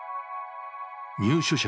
入所者